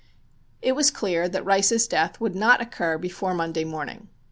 It was clear that Rice's death would not occur before Monday morning.